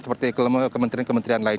seperti kementerian kementerian lain